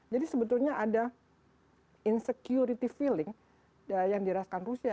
jadi sebetulnya ada insecurity feeling yang dirasakan rusia